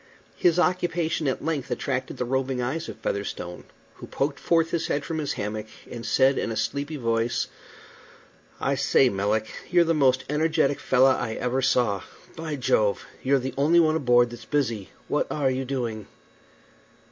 His occupation at length attracted the roving eyes of Featherstone, who poked forth his head from his hammock, and said in a sleepy voice: "I say, Melick, you're the most energetic fellah I ever saw. By Jove! you're the only one aboard that's busy. What are you doing?"